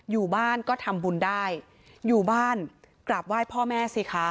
อยู่บ้านก็ทำบุญได้อยู่บ้านกราบไหว้พ่อแม่สิคะ